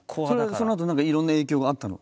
そのあと何かいろんな影響があったの？